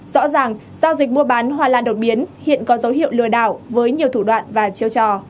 rõ ràng giao dịch mua bán hoa lan đột biến hiện có dấu hiệu lừa đảo với nhiều thủ đoạn và chiêu trò